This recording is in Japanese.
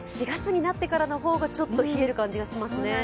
４月になってからの方が、ちょっと冷える感じがしますね。